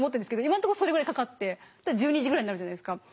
今のとこそれぐらいかかって１２時ぐらいになるじゃないですか。